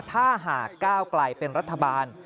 ถ้าหากก้าวไกลเป็นรัฐบาล